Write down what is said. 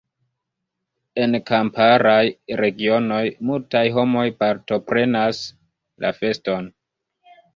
En kamparaj regionoj multaj homoj partoprenas la feston.